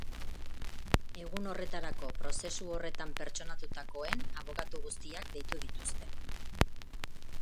Egun horretarako prozesu horretan pertsonatutakoen abokatu guztiak deitu dituzte.